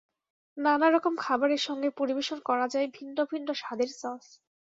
নানা রকম খাবারের সঙ্গে পরিবেশন করা যায় ভিন্ন ভিন্ন স্বাদের সস।